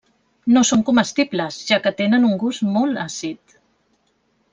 No són comestibles, ja que tenen un gust molt àcid.